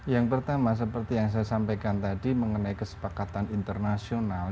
yang pertama seperti yang saya sampaikan tadi mengenai kesepakatan internasional